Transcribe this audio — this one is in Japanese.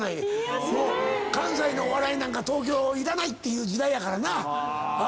関西のお笑いなんか東京いらないっていう時代やからな。